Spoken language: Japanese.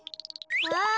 ああ！